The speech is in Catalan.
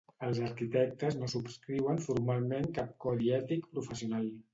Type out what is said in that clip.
Els arquitectes no subscriuen formalment cap codi ètic professional.